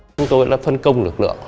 chúng tôi đã phân công lực lượng